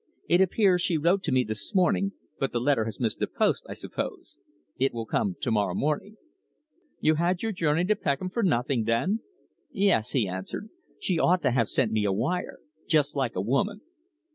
It appears she wrote to me this morning, but the letter has missed the post, I suppose. It will come to morrow morning." "You had your journey to Peckham for nothing, then?" "Yes," he answered. "She ought to have sent me a wire. Just like a woman."